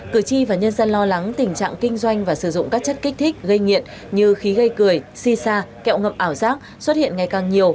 cử tri và nhân dân lo lắng tình trạng kinh doanh và sử dụng các chất kích thích gây nghiện như khí gây cười si sa kẹo ngậm ảo giác xuất hiện ngày càng nhiều